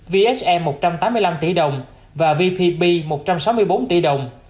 vhm một trăm tám mươi năm tỷ đồng và vpb một trăm sáu mươi bốn tỷ đồng